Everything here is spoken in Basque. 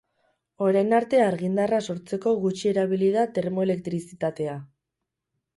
Orain arte argindarra sortzeko gutxi erabili da termoelektrizatea.